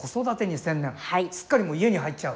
すっかりもう家に入っちゃう？